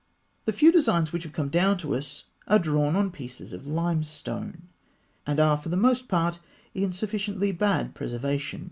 ] The few designs which have come down to us are drawn on pieces of limestone, and are for the most part in sufficiently bad preservation.